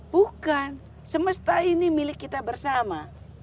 bukan semesta ini milik kita bersama